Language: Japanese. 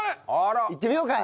いってみようか？